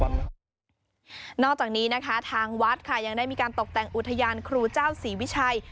นอกจากนี้นะคะทางวัดค่ะยังได้มีการตกแต่งอุทยานครูเจ้าศรีวิชัย